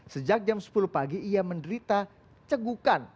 sejak jam sepuluh pagi ia menderita cegukan